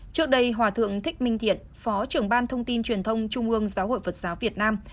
trước đây hòa thượng thích minh thiện phó trưởng ban thông tin truyền thông trung ương giáo hội phật giáo việt nam